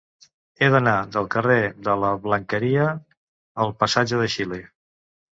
He d'anar del carrer de la Blanqueria al passatge de Xile.